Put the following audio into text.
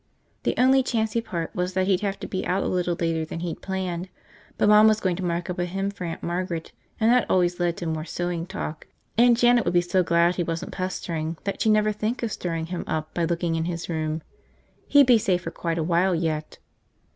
The only chancy part was that he'd have to be out a little later than he'd planned, but Mom was going to mark up a hem for Aunt Margaret and that always led to more sewing talk, and Janet would be so glad he wasn't pestering that she'd never think of stirring him up by looking in his room. He'd be safe for quite a while yet.